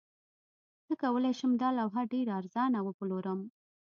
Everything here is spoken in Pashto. زه کولی شم دا لوحه ډیره ارزانه وپلورم